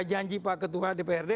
janji pak ketua dprd